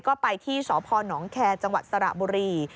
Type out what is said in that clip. ก็ไปที่สพนแคร์จังหวัดสระบุรี